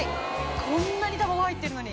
こんなにタマゴ入ってるのに。